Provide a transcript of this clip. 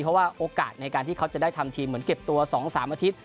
เพราะว่าโอกาสในการที่เขาจะได้ทำทีมเหมือนเก็บตัว๒๓อาทิตย์